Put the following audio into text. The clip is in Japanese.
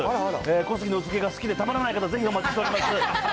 小杉の薄毛が好きでたまらない方、ぜひお待ちしています。